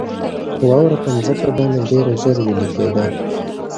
واوره په مځکه باندې ډېره ژر ویلي کېده.